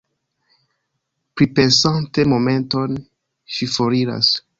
Pripensante momenton, ŝi foriras.